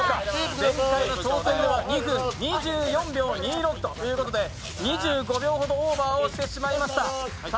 前回の挑戦では２分２４秒２６ということで、２５秒ほどオーバーしてしまいました。